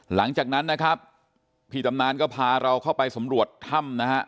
หลังจากนั้นนะครับพี่ตำนานก็พาเราเข้าไปสำรวจถ้ำนะฮะ